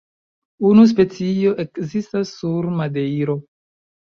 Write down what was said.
Unu specio ekzistas sur Madejro.